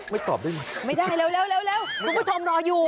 ตอบได้ไหมไม่ได้เร็วคุณผู้ชมรออยู่